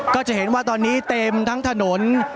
ก็จะเห็นว่าตอนนี้เต็มทั้งถนน